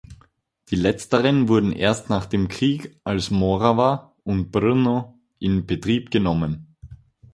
Die letzteren wurden erst nach dem Krieg als "Morava" und "Brno" in Betrieb genommen.